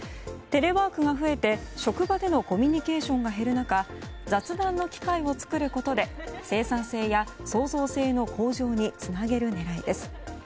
テレワークが増えて職場でのコミュニケーションが減る中、雑談の機会を作ることで生産性や創造性の向上につなげる狙いです。